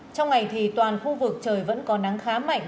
trong ngày thì toàn khu vực trời vẫn có nắng khá mạnh